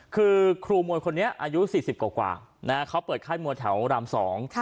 คือครูมวยคนนี้อายุสี่สิบกว่านะฮะเขาเปิดค่ายมวยแถวรามสอง